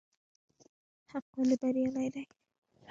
حق ولې بريالی دی؟